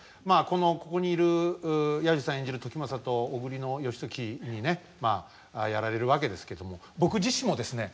ここにいる彌十さん演じる時政と小栗の義時にねまあやられるわけですけども僕自身もですね